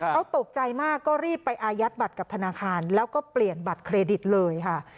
เขาตกใจมากก็รีบไปอายัดบัตรกับธนาคารแล้วก็เปลี่ยนบัตรเครดิตเลยค่ะ